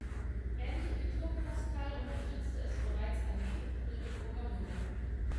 Ähnlich wie Turbo Pascal unterstützte es bereits eine strukturierte Programmierung.